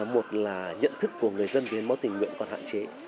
một là nhận thức của người dân về hiến máu tình nguyện còn hạn chế